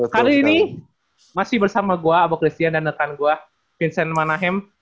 kali ini masih bersama gue abok christian dan netan gue vincent manahem